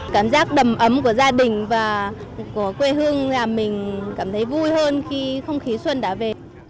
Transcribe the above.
cảm giác đầm ấm của gia đình và của quê hương là mình cảm thấy vui hơn khi không khí xuân đã về